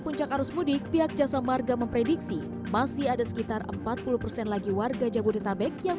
puncak arus mudik pihak jasa marga memprediksi masih ada sekitar empat puluh persen lagi warga jabodetabek yang